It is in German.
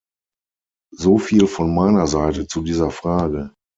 So viel von meiner Seite zu dieser Frage.